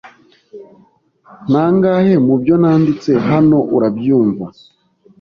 Nangahe mubyo nanditse hano urabyumva?